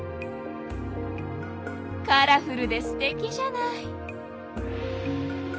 カラフルですてきじゃない。